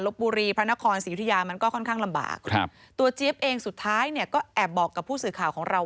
บุรีพระนครศรียุธิยามันก็ค่อนข้างลำบากครับตัวเจี๊ยบเองสุดท้ายเนี่ยก็แอบบอกกับผู้สื่อข่าวของเรา